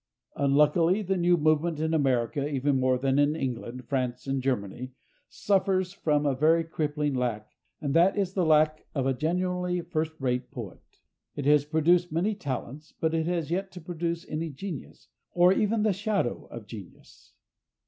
Unluckily, the new movement, in America even more than in England, France and Germany, suffers from a very crippling lack, and that is the lack of a genuinely first rate poet. It has produced many talents, but it has yet to produce any genius, or even the shadow of genius.